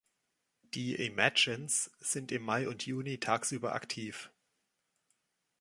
Die Imagines sind im Mai und Juni tagsüber aktiv.